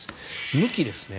向きですね。